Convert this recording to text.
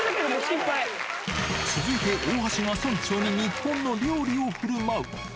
続いて、大橋が村長に日本の料理をふるまう。